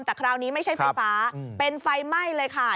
แต่คราวนี้ไม่ใช่ไฟฟ้าเป็นไฟไหม้เลยค่ะ